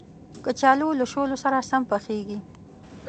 کچالو له شولو سره هم پخېږي